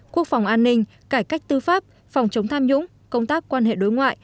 quốc phòng an ninh cải cách tư pháp phòng chống tham nhũng công tác quan hệ đối ngoại